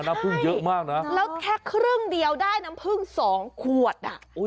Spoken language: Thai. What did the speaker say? น้ำพึ่งเยอะมากนะแล้วแค่ครึ่งเดียวได้น้ำผึ้งสองขวดอ่ะ